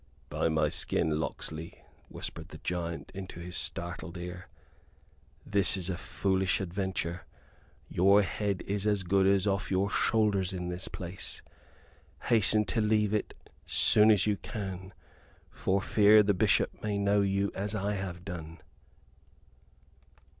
"By my skin, Locksley," whispered the giant into his startled ear, "this is a foolish adventure! Your head is as good as off your shoulders in this place. Hasten to leave it soon as you can, for fear the Bishop may know you as I have done."